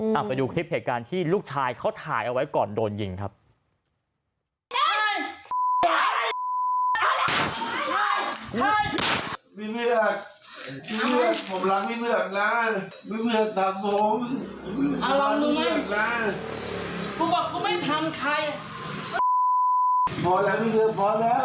เอาไปดูคลิปเหตุการณ์ที่ลูกชายเขาถ่ายเอาไว้ก่อนโดนยิงครับ